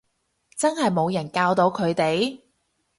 真係冇人教到佢哋